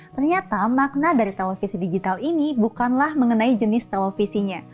ternyata makna dari televisi digital ini bukanlah mengenai jenis televisinya